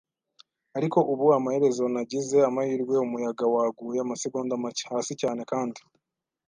Ariko ubu, amaherezo, nagize amahirwe. Umuyaga waguye amasegonda make, hasi cyane, kandi